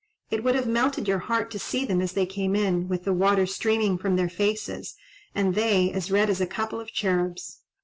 It would have melted your heart to see them as they came in, with the water streaming from their faces, and they as red as a couple of cherubs.